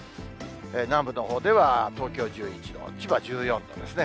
南部のほうでは東京１１度、千葉１４度ですね。